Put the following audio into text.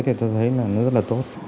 thì tôi thấy nó rất là tốt